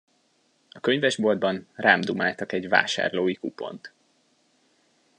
A könyvesboltban rám dumáltak egy vásárlói kupont.